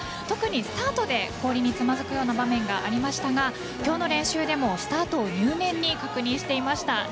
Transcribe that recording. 特にスタートで氷につまずくような場面がありましたが今日の練習でもスタートを入念に確認していました。